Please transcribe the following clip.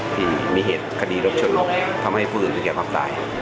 ที่มีเหตุคดีรกชนลกทำให้ฟือหรือแก่ภาพตาย